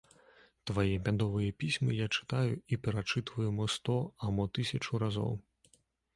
Твае мядовыя пісьмы я чытаю і перачытваю мо сто, а мо тысячу разоў.